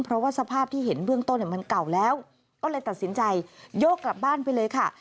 เพราะว่าสภาพที่เห็นเบื้องต้นมันเก่าแล้วก็เลยตัดสินใจโยกกลับบ้านไปเลยค่ะ